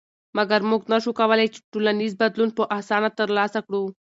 مګر موږ نشو کولی چې ټولنیز بدلون په اسانه تر لاسه کړو.